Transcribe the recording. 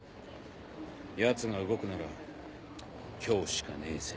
奴が動くなら今日しかねえぜ。